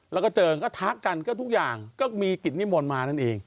แล้วก็เจอก็ทักกันก็ทุกอย่างก็มีกิจนิมนต์มานั่นเอง